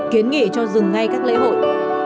kiến nghị cho dừng ngay các lễ hội